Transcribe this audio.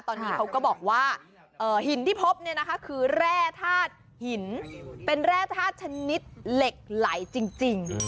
ตอนนี้เขาก็บอกว่าหินที่พบเนี่ยนะคะคือแร่ธาตุหินเป็นแร่ธาตุชนิดเหล็กไหลจริง